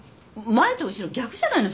前と後ろ逆じゃないの？